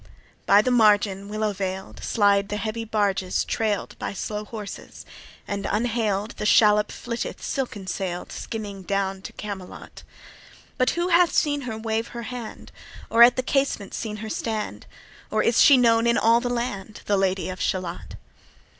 By the margin, willow veil'd Slide the heavy barges trail'd By slow horses; and unhail'd The shallop flitteth silken sail'd Skimming down to Camelot: But who hath seen her wave her hand? Or at the casement seen her stand? Or is she known in all the land, The Lady of Shalott?